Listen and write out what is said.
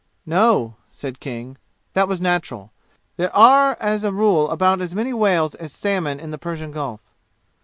"No," said King. That was natural. There are as a rule about as many whales as salmon in the Persian Gulf.